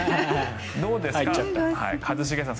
どうですか一茂さん